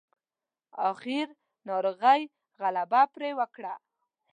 اخير ناروغۍ غلبه پرې وکړه.